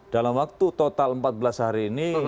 dalam waktu total empat belas hari ini